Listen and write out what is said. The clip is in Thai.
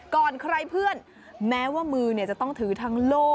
ก่อนใครเพื่อนแม้ว่ามือจะต้องถือทั้งโล่